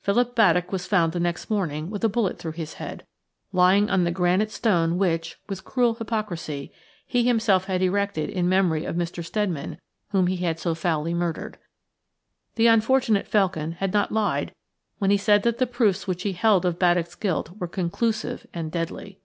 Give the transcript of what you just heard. Philip Baddock was found the next morning with a bullet through his head, lying on the granite stone which, with cruel hypocrisy, he himself had erected in memory of Mr. Steadman whom he had so foully murdered. The unfortunate Felkin had not lied when he said that the proofs which he held of Baddock's guilt were conclusive and deadly.